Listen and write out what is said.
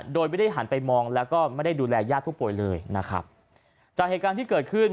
โดยไม่ได้หันไปมองแล้วก็ไม่ได้ดูแลญาติผู้ป่วยเลยนะครับจากเหตุการณ์ที่เกิดขึ้น